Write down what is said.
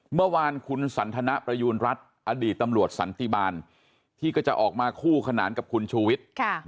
เมื่อวานคุณสันทนประยูณรัฐอดีตตำรวจสันติบาลที่ก็จะออกมาคู่ขนานกับคุณชูวิทย์